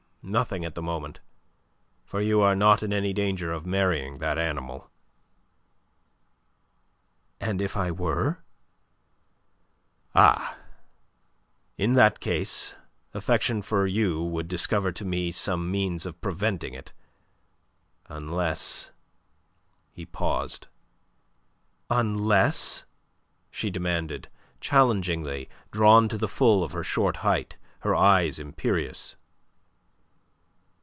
"Why, nothing at the moment, for you are not in any danger of marrying that animal." "And if I were?" "Ah! In that case affection for you would discover to me some means of preventing it unless..." He paused. "Unless?" she demanded, challengingly, drawn to the full of her short height, her eyes imperious.